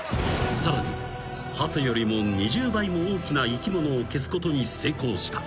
［さらにハトよりも２０倍も大きな生き物を消すことに成功した。